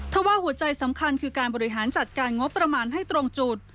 ถ้าว่าหัวใจสำคัญคือการบริหารจัดการงบประมาณให้ตรงจุด